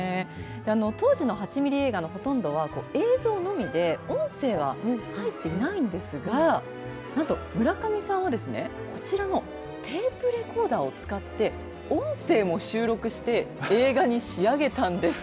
当時の８ミリ映画のほとんどは映像のみで音声は入っていないんですがなんと村上さんはですねこちらのテープレコーダーを使って音声も収録して映画に仕上げたんです。